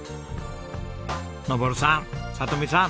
昇さん里美さん。